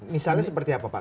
misalnya seperti apa pak